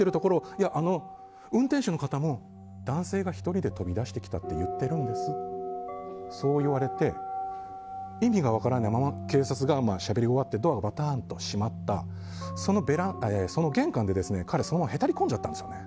いや、運転手の方も男性が１人で飛び出してきたって言ってるんですよってそう言われて意味が分からないまま警察がしゃべり終わってドアがばたんと閉まったその玄関で彼、そのままへたり込んじゃったんです。